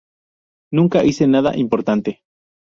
Nunca hice nada importante.